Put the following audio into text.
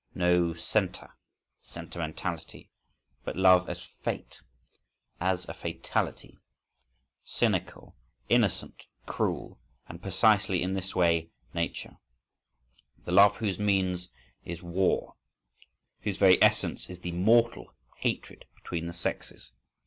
—no Senta sentimentality.(7) But love as fate, as a fatality, cynical, innocent, cruel,—and precisely in this way Nature! The love whose means is war, whose very essence is the mortal hatred between the sexes!